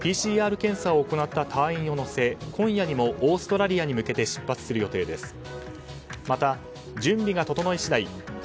ＰＣＲ検査を行った隊員を乗せ今夜にもオーストラリアに向けて出発する予定です。